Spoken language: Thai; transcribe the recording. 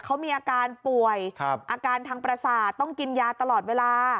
เขามีอาการป่วยอาการทางประสาทต้องกินยาตลอดเวลา